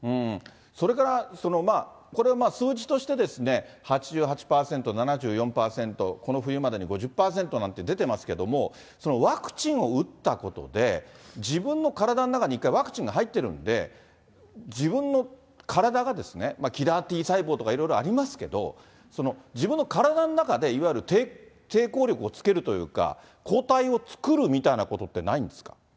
それから、これまあ、数字としてですね、８８％、７４％、この冬までに５０％なんて出てますけども、そのワクチンを打ったことで、自分の体の中に一回ワクチンが入ってるので、自分の体が、キラーＴ細胞とかいろいろありますけど、自分の体の中で、いわゆる抵抗力をつけるというか、抗体を作るみたいなことってないんですか。